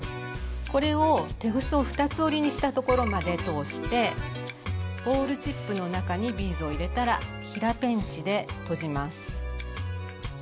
これをテグスを二つ折りにしたところまで通してボールチップの中にビーズを入れたら平ペンチでとじます。